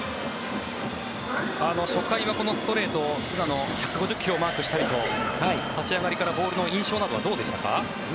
初回はこのストレート、菅野は１５０ｋｍをマークしたりと立ち上がりからボールの印象はどうでしたか。